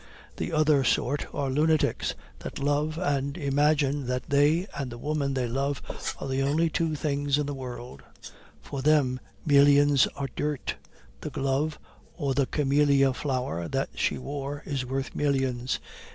The other sort are lunatics that love and imagine that they and the woman they love are the only two beings in the world; for them millions are dirt; the glove or the camellia flower that She wore is worth millions.